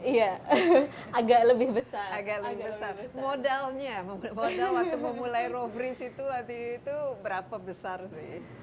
iya agak lebih besar agak lebih besar modalnya modal waktu memulai robris itu waktu itu berapa besar sih